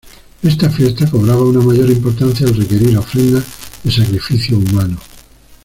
Esta fiesta cobraba una mayor importancia al requerir ofrendas de sacrificio humano.